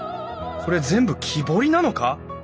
これ全部木彫りなのか！？